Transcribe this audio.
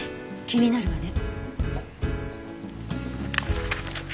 気になるわね。